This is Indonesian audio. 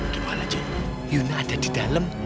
gimana joe yuna ada di dalam